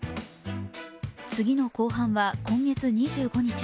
次の公判は今月２５日。